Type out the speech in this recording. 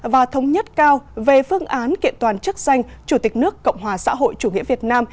và thống nhất cao về phương án kiện toàn chức danh chủ tịch nước cộng hòa xã hội chủ nghĩa việt nam